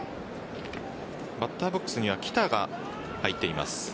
バッターボックスには来田が入っています。